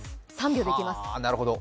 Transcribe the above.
３秒でいけます。